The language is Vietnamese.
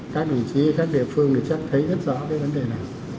các đồng chí các địa phương chắc thấy rất rõ vấn đề này